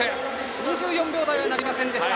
２４秒台はなりませんでした。